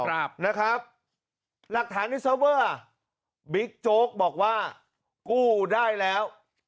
ครับนะครับหลักฐานที่เซิร์ฟเวอร์บิ๊กโจ๊กบอกว่ากู้ได้แล้ว